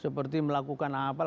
seperti melakukan apa